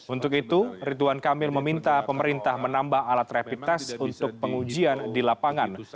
untuk itu ridwan kamil meminta pemerintah menambah alat rapid test untuk pengujian di lapangan